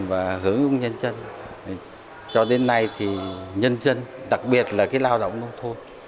và hướng dung nhân dân cho đến nay thì nhân dân đặc biệt là cái lao động nông thôn